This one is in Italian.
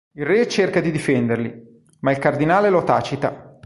Il re cerca di difenderli, ma il Cardinale lo tacita.